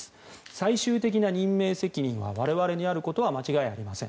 最終的な任命責任は我々にあることは間違いありません。